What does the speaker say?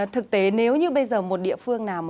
thực tế nếu như bây giờ một địa phương nào